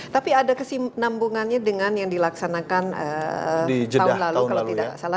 tapi ada kesinambungannya dengan yang dilaksanakan tahun lalu